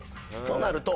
となると。